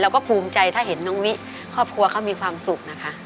ก็ภูมิใจถ้าเห็นน้องวิครอบครัวเขามีความสุขนะคะ